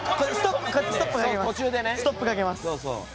ストップかけます。